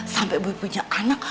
sampai boy punya anak